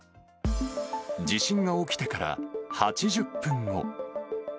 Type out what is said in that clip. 地震が起きてから８０分後。